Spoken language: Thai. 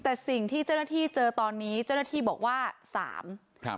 แต่สิ่งที่เจ้าหน้าที่เจอตอนนี้เจ้าหน้าที่บอกว่าสามครับ